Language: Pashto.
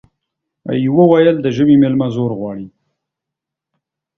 يوه ويل د ژمي ميلمه زور غواړي ،